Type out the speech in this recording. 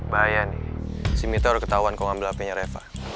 bahaya nih si mita udah ketahuan kalo ngambil hpnya reva